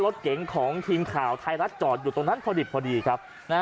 รถเก๋งของทีมข่าวไทยรัฐจอดอยู่ตรงนั้นพอดีครับ